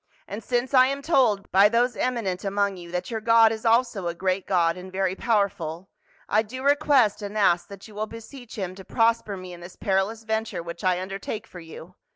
And since I am told by those emi nent among you that your God is also a great God and very powerful, I do request and ask that you will beseech him to prosper me in this perilous venture which I undertake for you.